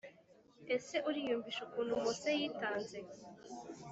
Ese uriyumvisha ukuntu Mose yitanze?